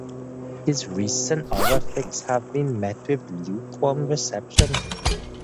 His recent horror flicks have been met with lukewarm reception.